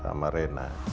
kepalan sama rena